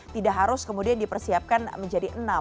tidak harus kemudian dipersiapkan menjadi enam